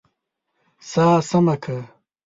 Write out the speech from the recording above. سا سمه که!